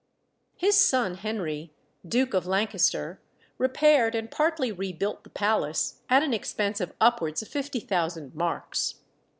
His son Henry, Duke of Lancaster, repaired and partly rebuilt the palace, at an expense of upwards of 50,000 marks.